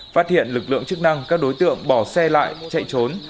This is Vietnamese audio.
phát hiện lực lượng chức năng các đối tượng bỏ xe lại chạy trốn